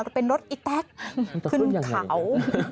จะเป็นรถอีแต๊กขึ้นเขา